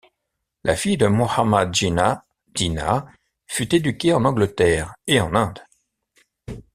La fille de Muhammad Jinnah, Dina, fut éduquée en Angleterre et en Inde.